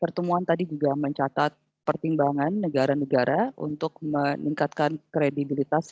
pertemuan tadi juga mencatat pertimbangan negara negara untuk meningkatkan kredibilitas